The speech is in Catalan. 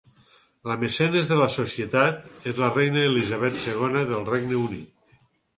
La mecenes de la societat és la reina Elisabet II del Regne Unit.